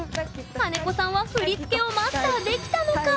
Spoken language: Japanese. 金子さんは振り付けをマスターできたのか？